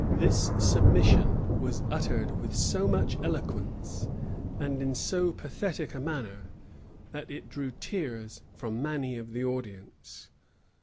This submission was uttered with so much eloquence, and in so pathetic a manner, that it drew tears from many of the audience.